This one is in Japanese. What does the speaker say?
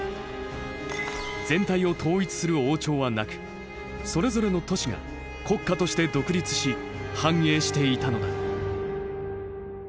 全体を統一する王朝はなくそれぞれの都市が国家として独立し繁栄していたのだ。